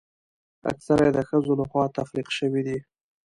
اکثره یې د ښځو لخوا تخلیق شوي دي.